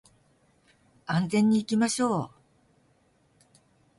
安全に行きましょう